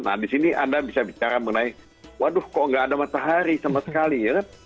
nah di sini anda bisa bicara mengenai waduh kok nggak ada matahari sama sekali ya kan